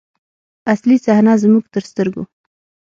اصلي صحنه زموږ تر سترګو.